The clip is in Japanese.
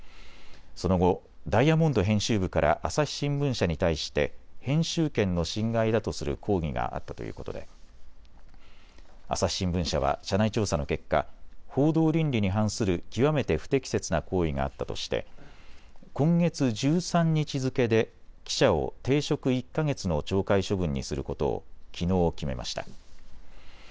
その後、ダイヤモンド編集部から朝日新聞社に対して編集権の侵害だとする抗議があったということで朝日新聞社は社内調査の結果、報道倫理に反する極めて不適切な行為があったとして今月１３日付けで記者を停職１か月の懲戒処分にすることをきのう決めました。